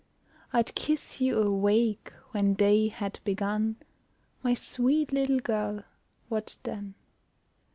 I'd kiss you awake when day had begun, My sweet little girl, what then?